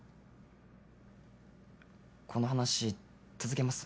この話続けます？